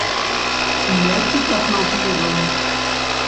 Melki kaproviron.